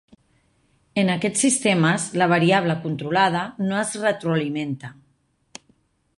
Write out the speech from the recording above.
En aquests sistemes la variable controlada no es retroalimenta.